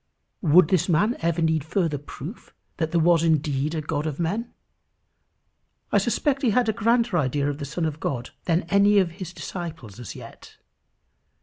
Would this man ever need further proof that there was indeed a God of men? I suspect he had a grander idea of the Son of God than any of his disciples as yet.